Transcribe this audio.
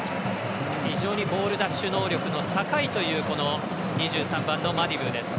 非常にボール奪取能力の高いという２３番のマディブーです。